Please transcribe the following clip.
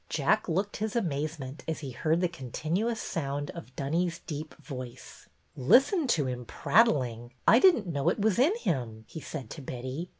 Jack looked his amazement as he heard the continuous sound of Dunny's deep voice. Listen to him prattling. I did n't know it was in him," he said to Betty.